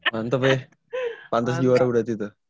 mantap ya pantas juara udah gitu